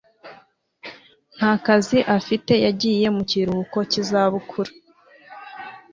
Nta kazi afite. Yagiye mu kiruhuko cy'izabukuru.